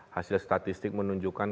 hasil statistik menunjukkan